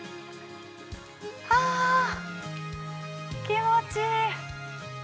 あ、気持ちいい。